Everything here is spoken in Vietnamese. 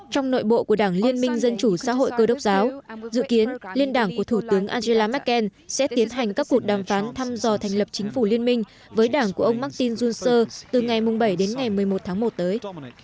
trong nội bộ của đảng liên minh dân chủ xã hội cơ đốc giáo dự kiến liên đảng của thủ tướng angela merkel sẽ tiến hành các cuộc đàm phán thăm dò thành lập chính phủ liên minh với đảng của ông martin johnser từ ngày bảy đến ngày một mươi một tháng một tới